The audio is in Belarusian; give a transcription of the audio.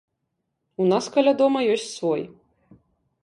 У нас каля дома ёсць свой.